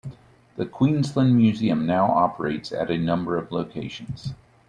The Queensland Museum now operates at a number of locations.